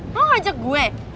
hah lo ngajak gue